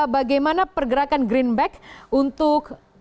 bagaimana pergerakan greenback untuk